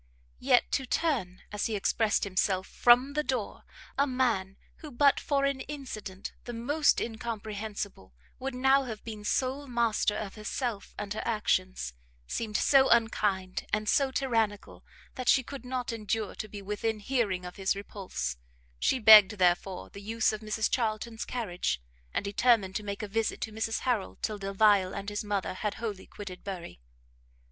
Yet to turn, as he expressed himself, from the door, a man who, but for an incident the most incomprehensible, would now have been sole master of herself and her actions, seemed so unkind and so tyrannical, that she could not endure to be within hearing of his repulse: she begged, therefore, the use of Mrs Charlton's carriage, and determined to make a visit to Mrs Harrel till Delvile and his mother had wholly quitted Bury.